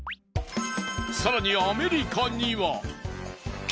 更にアメリカには。